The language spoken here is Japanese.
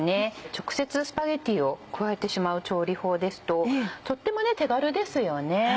直接スパゲティを加えてしまう調理法ですととっても手軽ですよね。